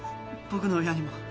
僕の親にも。